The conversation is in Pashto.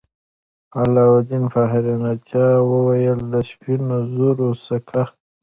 علاوالدین په حیرانتیا وویل د سپینو زرو سکه.